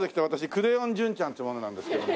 クレヨン純ちゃんっていう者なんですけども。